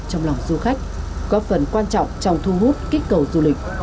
trong lòng du khách có phần quan trọng trong thu hút kích cầu du lịch